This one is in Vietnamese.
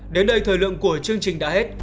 đến đây thời lượng của chương trình đã hết